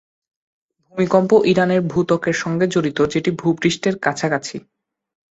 ভূমিকম্প ইরানের ভূত্বকের সঙ্গে জড়িত, যেটি ভূপৃষ্ঠের কাছাকাছি।